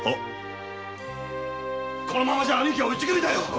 このままじゃ兄貴は打ち首だ‼